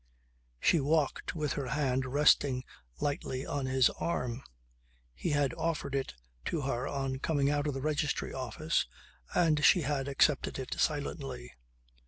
She walked with her hand resting lightly on his arm. He had offered it to her on coming out of the Registry Office, and she had accepted it silently.